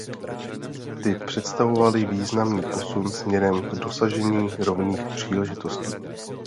Ty představovaly významný posun směrem k dosažení rovných příležitostí.